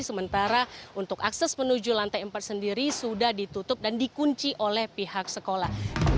sementara untuk akses menuju lantai empat sendiri sudah ditutup dan dikunci oleh pihak sekolah